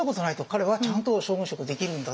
彼はちゃんと将軍職できるんだって。